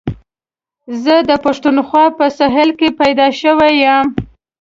زه د پښتونخوا په سهېل کي پيدا شوی یم.